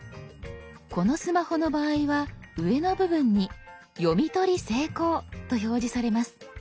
このスマホの場合は上の部分に「読み取り成功」と表示されます。